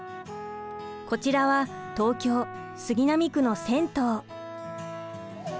こちらは東京・杉並区の銭湯。